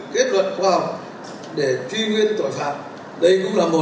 kết luận khoa học để truy nguyên tội phạm